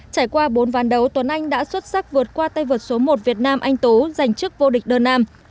trải qua bốn ván đấu tuấn anh đã xuất sắc vượt qua tay vợt số một việt nam anh tú giành chức vô địch đơn nam